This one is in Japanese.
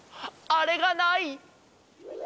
あれがない！